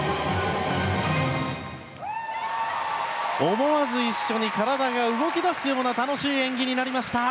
思わず一緒に体が動き出すような楽しい演技になりました。